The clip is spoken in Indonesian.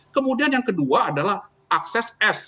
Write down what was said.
kemudian yang kedua adalah akses s